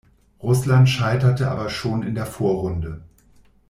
Russland scheiterte aber schon in der Vorrunde.